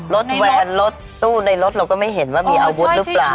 รถแวนรถตู้ในรถเราก็ไม่เห็นว่ามีอาวุธหรือเปล่า